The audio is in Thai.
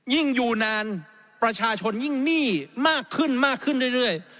อยู่นานประชาชนยิ่งหนี้มากขึ้นมากขึ้นเรื่อย